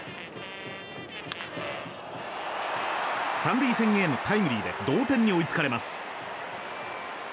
３塁線へのタイムリーで同点に追いつかれます。